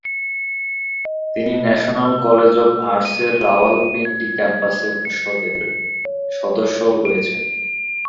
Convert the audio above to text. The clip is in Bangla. তিনি ন্যাশনাল কলেজ অফ আর্টসের রাওয়ালপিন্ডি ক্যাম্পাসে অনুষদের সদস্যও রয়েছেন।